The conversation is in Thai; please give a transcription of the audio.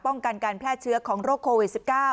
กันการแพร่เชื้อของโรคโควิด๑๙